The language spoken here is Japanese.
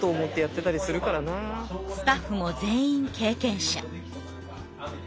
スタッフも全員経験者。